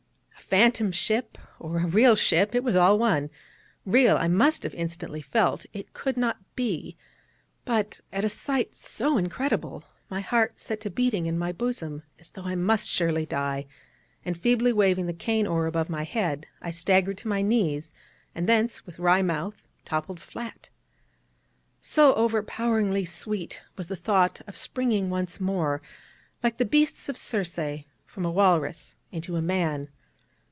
A phantom ship, or a real ship: it was all one; real, I must have instantly felt, it could not be: but at a sight so incredible my heart set to beating in my bosom as though I must surely die, and feebly waving the cane oar about my head, I staggered to my knees, and thence with wry mouth toppled flat. So overpoweringly sweet was the thought of springing once more, like the beasts of Circe, from a walrus into a man.